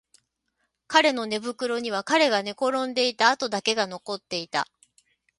彼の寝袋には彼が寝転んでいた跡だけが残っていた